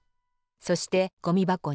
そしてゴミばこに。